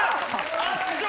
圧勝！